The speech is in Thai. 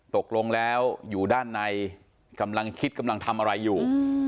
ตกลงแล้วอยู่ด้านในกำลังคิดกำลังทำอะไรอยู่